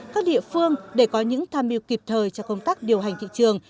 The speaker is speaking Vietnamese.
các địa phương để có những tham mưu kịp thời cho công tác điều hành thị trường